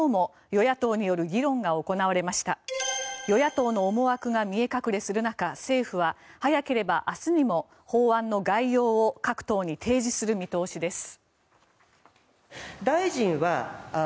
与野党の思惑が見え隠れする中政府は早ければ明日にも法案の概要を各党に提示する見通しです。